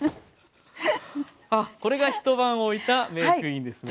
あっこれが一晩おいたメークインですね。